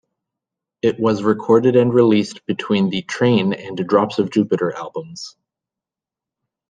It was recorded and released between the "Train" and "Drops of Jupiter" albums.